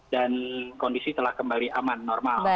dan kondisi telah kembali aman normal